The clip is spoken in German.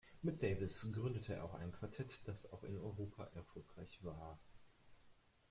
Mit Davis gründete er auch ein Quartett, das auch in Europa erfolgreich war.